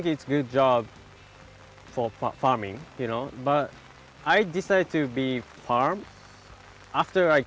คุณต้องเป็นผู้งาน